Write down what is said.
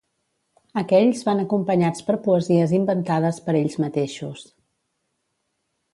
Aquells van acompanyats per poesies inventades per ells mateixos.